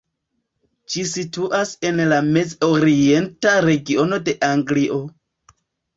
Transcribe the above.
Ĝi situas en la Mez-Orienta Regiono de Anglio.